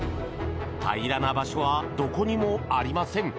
平らな場所はどこにもありません。